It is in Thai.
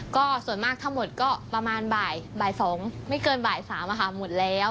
ก็ส่วนมากทั้งหมดก็ประมาณบ่าย๒ไม่เกินบ่าย๓หมดแล้ว